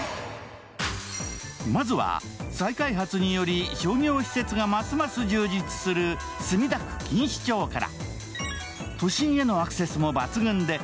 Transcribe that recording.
まずは、再開発により商業施設がますます充実する墨田区錦糸町から。